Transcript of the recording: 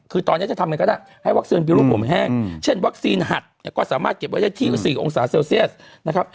คือตอนนี้จะทำไงก็ได้ให้วัคซีนมีลูกผมแห้งเช่นวัคซีนหัดเนี่ยก็สามารถเก็บไว้ได้ที่๔องศาเซลเซียสนะครับ